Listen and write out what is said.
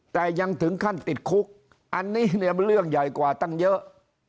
แต่ยังถึงขั้นติดคุกอันนี้เนี่ยมันเรื่องใหญ่กว่าตั้งเยอะ